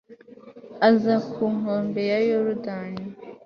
aza ku nkombe ya yorudani